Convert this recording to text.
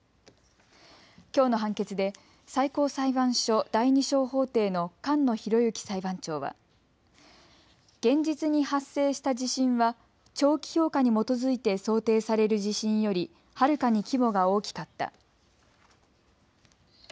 きょうの判決で最高裁判所第２小法廷の菅野博之裁判長は現実に発生した地震は長期評価に基づいて想定される地震よりはるかに規模が大きかった。